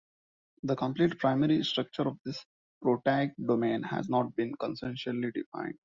The complete primary structure of this proteic domain has not been consensually defined.